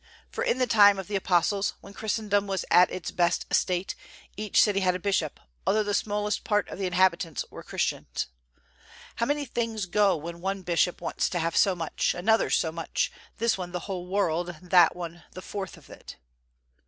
For in the time of the Apostles, when Christendom was at its best estate, each city had a bishop, although the smallest part of the inhabitants were Christians. How may things go when one bishop wants to have so much, another so much, this one the whole world, that one the fourth of it.